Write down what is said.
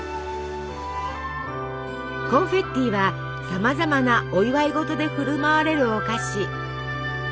コンフェッティはさまざまなお祝い事で振る舞われるお菓子。